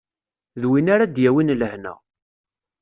D win ara d-yawin lehna.